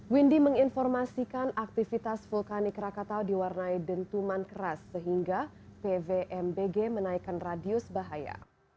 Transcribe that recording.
windy menginformasikan aktivitas vulkanik rakatau diwarnai dentuman keras sehingga pvmbg menaikkan radius bahaya